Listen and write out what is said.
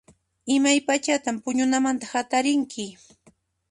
Imaypachatan puñunamanta hatarinki?